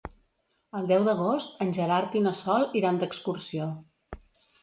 El deu d'agost en Gerard i na Sol iran d'excursió.